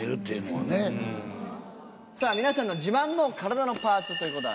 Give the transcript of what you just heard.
皆さんの自慢の体のパーツということで。